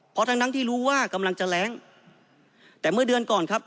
เพราะทั้งทั้งที่รู้ว่ากำลังจะแรงแต่เมื่อเดือนก่อนครับ